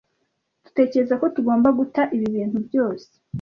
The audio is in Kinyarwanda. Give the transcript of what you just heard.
Dutekereza ko tugomba guta ibi bintu byose.